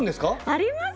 ありますよ